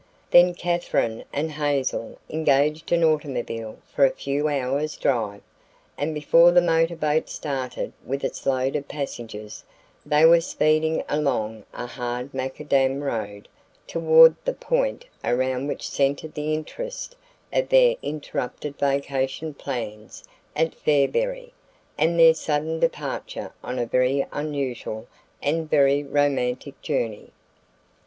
Then Katherine and Hazel engaged an automobile for a few hours' drive and before the motorboat started with its load of passengers, they were speeding along a hard macadam road toward the point around which centered the interest of their interrupted vacation plans at Fairberry and their sudden departure on a very unusual and very romantic journey.